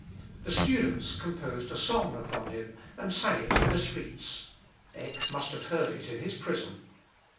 The students composed a song upon him, and sang it in the streets. Eck must have heard it in his prison.